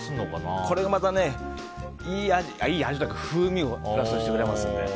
これがまたねいい味というか風味をプラスしてくれます。